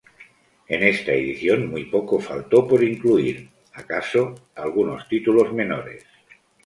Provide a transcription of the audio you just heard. En esta edición muy poco faltó por incluir, acaso algunos títulos menores.